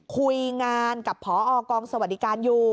คุยงานกับพอกรงศ์สวัสดิการยุ